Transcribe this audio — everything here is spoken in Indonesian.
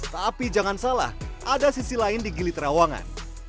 tapi jangan salah ada sisi lain di gili terawangan